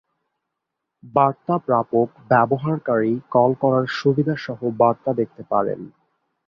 বার্তা প্রাপক ব্যবহারকারী কল করার সুবিধাসহ বার্তা দেখতে পারেন।